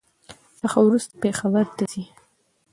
څخه ورورسته بېرته پېښور ته ځي.